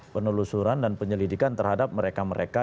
penelusuran dan penyelidikan terhadap mereka mereka